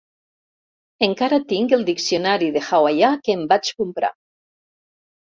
Encara tinc el diccionari de hawaià que em vaig comprar.